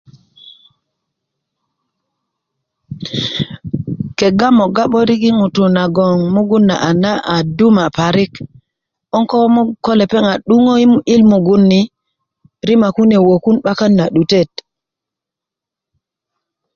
kegga moga 'börik yi ŋutuu nagon mugun na a duma' parik 'boŋ ko lepeŋ a 'duŋö yi mugun ni rima kunu wökun 'bakan na 'dutet